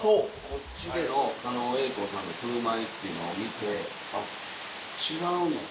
こっちでの狩野英孝さんの振る舞いっていうのを見てあっ違うんや。